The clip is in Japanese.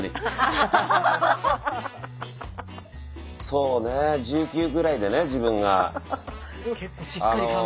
そうね１９ぐらいでね自分が。